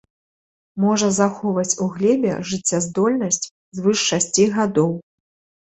Можа захоўваць у глебе жыццяздольнасць звыш шасці гадоў.